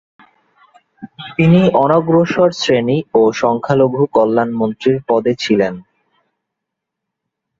তিনি অনগ্রসর শ্রেণি ও সংখ্যালঘু কল্যাণ মন্ত্রীর পদে ছিলেন।